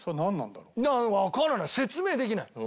だからわからない説明できない。